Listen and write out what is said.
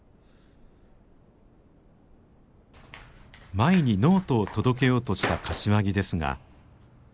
舞にノートを届けようとした柏木ですが。